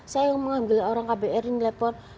saya yang mengambil orang kbri telepon